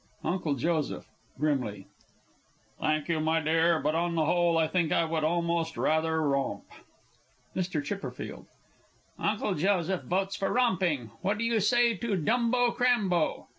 UNCLE J. (grimly). Thank you, my dear, but, on the whole, I think I would almost rather romp MR. C. Uncle Joseph votes for romping! What do you say to Dumb Crambo?